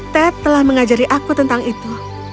ted telah mengajari aku tentang itu